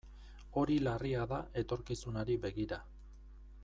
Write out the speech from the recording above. Hori larria da etorkizunari begira.